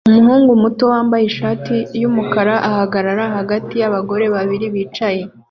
Umuhungu muto wambaye ishati yumukara ahagarara hagati yabagore babiri bicaye